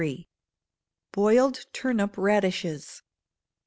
Boiled Turnip Radishes.